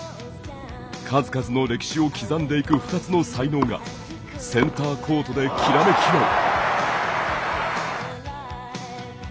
数々の歴史を刻んでいく２つの才能がセンターコートできらめき合う。